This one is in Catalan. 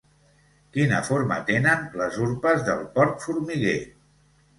Quina forma tenen les urpes del porc formiguer?